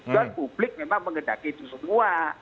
dan publik memang menggedaki itu semua